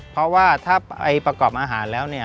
เพราะว่าถ้าไปประกอบอาหารแล้วเนี่ย